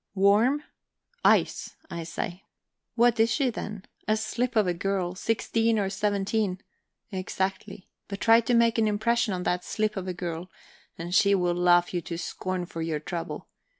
Warm? Ice, I say. What is she, then? A slip of a girl, sixteen or seventeen exactly. But try to make an impression on that slip of a girl, and she will laugh you to scorn for your trouble.